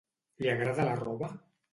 Li agrada la roba?